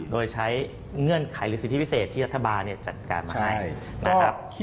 โดยใช้เงื่อนไขหรือสิทธิพิเศษที่รัฐบาลจัดการมาให้นะครับ